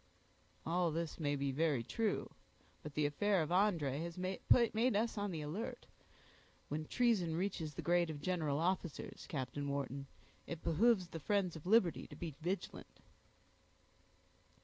"All this may be very true; but the affair of André has made us on the alert. When treason reaches the grade of general officers, Captain Wharton, it behooves the friends of liberty to be vigilant."